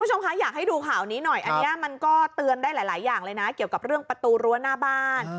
คุณผู้ชมคะอยากให้ดูข่าวนี้หน่อยอันนี้มันก็เตือนได้หลายอย่างเลยนะเกี่ยวกับเรื่องประตูรั้วหน้าบ้าน